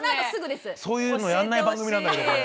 そういうのやんない番組なんだけど。